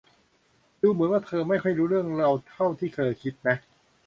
ดูเหมือนว่าเธอไม่ค่อยรู้เรื่องเราเท่าที่เธอคิดนะ